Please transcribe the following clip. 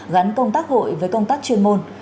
gắn công tác hội với công tác chuyên môn